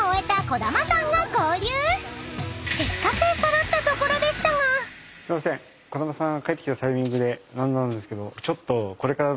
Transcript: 児玉さん帰ってきたタイミングで何なんですけどちょっとこれから。